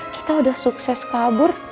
kita udah sukses kabur